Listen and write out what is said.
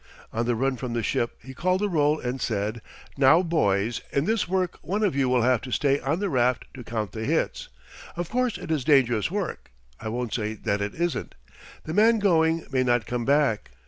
On the run from the ship he called the roll and said: "Now, boys, in this work one of you will have to stay on the raft to count the hits. Of course it is dangerous work. I won't say that it isn't. The man going may not come back.